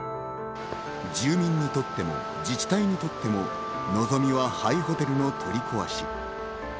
住民にとっても自治体にとってものぞみは廃ホテルの取り壊し。